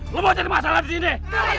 lo mau jadi masalah disini